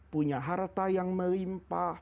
punya kekuasaan yang melimpah